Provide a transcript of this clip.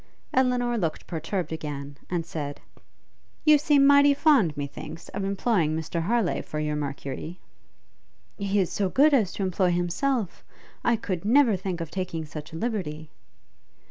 Elinor looked perturbed again, and said, 'You seem mighty fond, methinks, of employing Mr Harleigh for your Mercury!' 'He is so good as to employ himself. I could never think of taking such a liberty.'